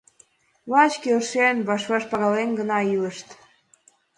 Лач келшен, ваш-ваш пагален гына илышт...